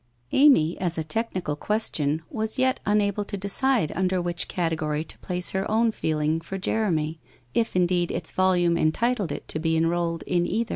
Amy, as a technical question, was yet unable to decide under which category to place her own feeling for Jeromy, if indeed its volume entitled it to be enrolled in cither.